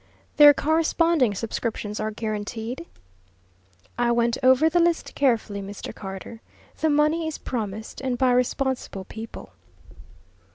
"Their corresponding subscriptions are guaranteed?" "I went over the list carefully, Mr. Carter. The money is promised, and by responsible people."